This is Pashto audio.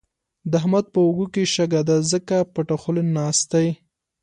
د احمد په اوړو کې شګه ده؛ ځکه پټه خوله ناست دی.